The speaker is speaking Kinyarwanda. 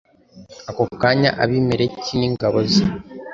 ako kanya abimeleki n'ingabo ze